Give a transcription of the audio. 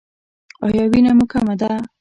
ایا وینه مو کمه ده؟